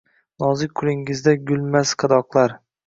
Nozik qulingizda gulmas qadoqlar